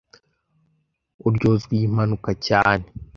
Uryozwa iyi mpanuka cyane